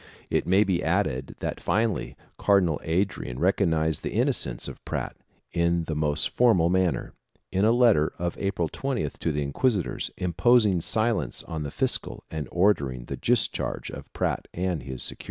It may be added that finally Cardinal Adrian recognized the innocence of Prat in the most formal manner, in a letter of April 20th to the inquisitors, imposing silence on the fiscal and ordering the discharge of Prat and his securities.